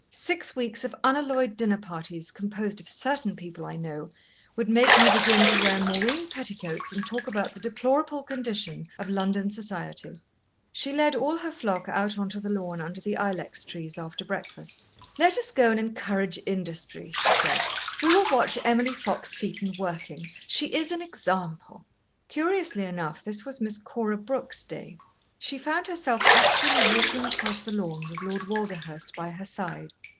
Six weeks of unalloyed dinner parties, composed of certain people I know, would make me begin to wear moreen petticoats and talk about the deplorable condition of London society." She led all her flock out on to the lawn under the ilex trees after breakfast. "Let us go and encourage industry," she said. "We will watch Emily Fox Seton working. She is an example." Curiously enough, this was Miss Cora Brooke's day. She found herself actually walking across the lawn with Lord Walderhurst by her side.